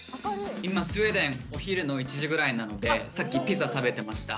今スウェーデンお昼の１時ぐらいなのでさっきピザ食べてました。